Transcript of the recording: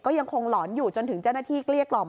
พอหลังจากเกิดเหตุแล้วเจ้าหน้าที่ต้องไปพยายามเกลี้ยกล่อม